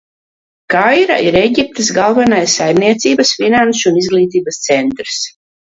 Kaira ir Ēģiptes galvenais saimniecības, finanšu un izglītības centrs.